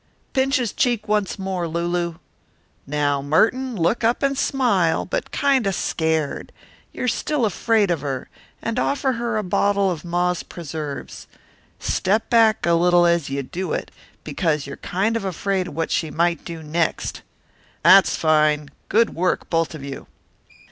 Pinch his cheek once more, Lulu. Now, Merton, look up and smile, but kind of scared you're still afraid of her and offer her a bottle of Ma's preserves. Step back a little as you do it, because you're kind of afraid of what she might do next. That's fine. Good work, both of you."